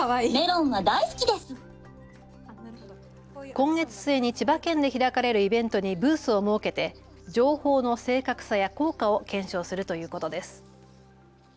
今月末に千葉県で開かれるイベントにブースを設けて情報の正確さや効果を検証するということです。